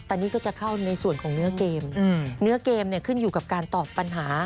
แต่นี่ก็จะเข้าในส่วนของเนื้อเกมเนื้อเกมเนี่ยขึ้นอยู่กับการตอบปัญหา